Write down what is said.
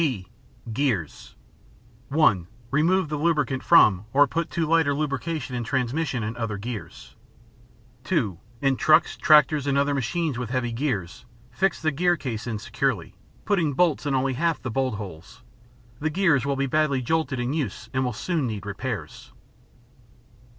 (g) Gears (1) Remove the lubricant from or put too light a lubricant in the transmission and other gears. (2) In trucks, tractors, and other machines with heavy gears, fix the gear case insecurely, putting bolts in only half the bolt holes. The gears will be badly jolted in use and will soon need repairs.